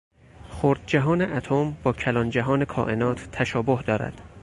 خرد جهان اتم با کلان جهان کائنات تشابه دارد.